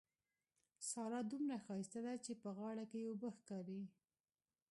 سارا دومره ښايسته ده چې په غاړه کې يې اوبه ښکاري.